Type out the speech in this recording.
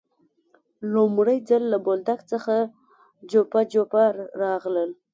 لومړی ځل له بولدک څخه جوپه جوپه راغلل.